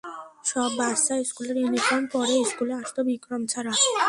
সব বাচ্চা স্কুলের ইউনিফর্ম পরে স্কুলে আসত, বিক্রম ছাড়া।